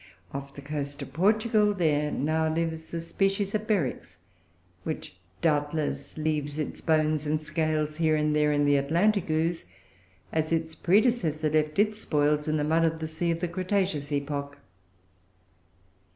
Off the coast of Portugal, there now lives a species of Beryx, which, doubtless, leaves its bones and scales here and there in the Atlantic ooze, as its predecessor left its spoils in the mud of the sea of the Cretaceous epoch.